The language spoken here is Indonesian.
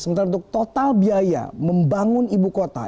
sementara untuk total biaya membangun ibu kota